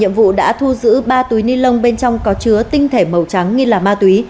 nhiệm vụ đã thu giữ ba túi ni lông bên trong có chứa tinh thể màu trắng nghi là ma túy